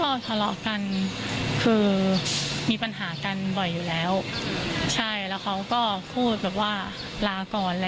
ก็ทะเลาะกันคือมีปัญหากันบ่อยอยู่แล้วใช่แล้วเขาก็พูดแบบว่าลาก่อนอะไร